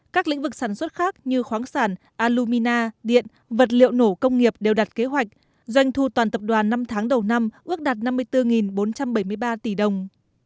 các lĩnh vực sản xuất khác như khoáng sản alumina điện vật liệu nổ công nghiệp đều đặt kế hoạch doanh thu toàn tập đoàn năm tháng đầu năm ước đạt năm mươi bốn bốn trăm bảy mươi ba tỷ đồng